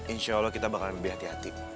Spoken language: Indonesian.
insya allah kita bakal lebih hati hati